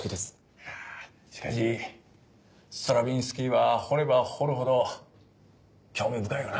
いやしかしストラヴィンスキーは掘れば掘るほど興味深いよな。